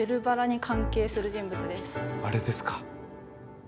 あれですか？